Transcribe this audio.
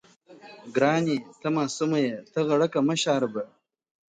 • گراني ته ماسومه يې تــه غــړكــه مه شـــــاربــــه.